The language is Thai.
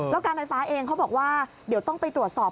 แล้วการไฟฟ้าเองเขาบอกว่าเดี๋ยวต้องไปตรวจสอบ